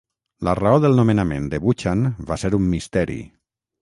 La raó del nomenament de Buchan va ser un misteri.